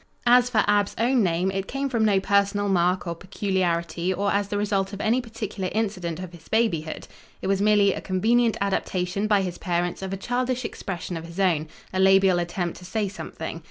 As for Ab's own name, it came from no personal mark or peculiarity or as the result of any particular incident of his babyhood. It was merely a convenient adaptation by his parents of a childish expression of his own, a labial attempt to say something.